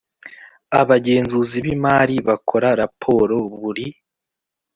Abagenzuzi b imari bakora raporo buri